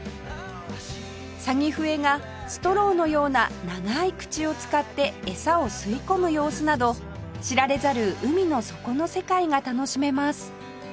サギフエがストローのような長い口を使ってエサを吸い込む様子など知られざる海の底の世界が楽しめます